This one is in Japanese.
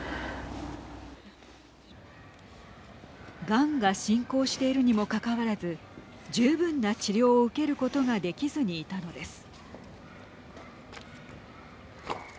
がんが進行しているにもかかわらず十分な治療を受けることができずにいたのです。